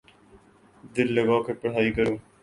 دل لگا کر پڑھائی کرو